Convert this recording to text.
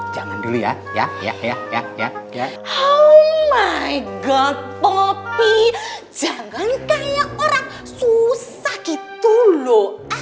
jangan dulu ya ya ya ya ya ya ya omai god popi jangan kayak orang susah gitu loh